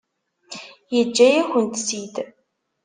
Yeǧǧa-yakent-tt-id?